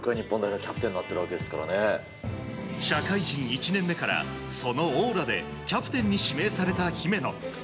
社会人１年目からそのオーラでキャプテンに指名された姫野。